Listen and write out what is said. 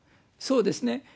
そうですね。